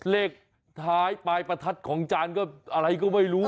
เลขท้ายปลายประทัดของจานก็อะไรก็ไม่รู้